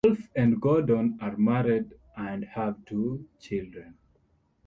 Wolfe and Gordon are married and have two children.